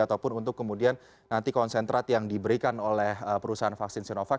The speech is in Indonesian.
ataupun untuk kemudian nanti konsentrat yang diberikan oleh perusahaan vaksin sinovac